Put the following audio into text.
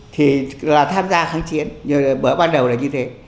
thì là tham gia kháng chiến bữa bắt đầu là như thế